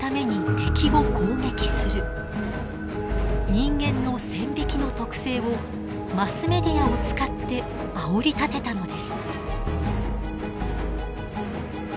人間の線引きの特性をマスメディアを使ってあおり立てたのです。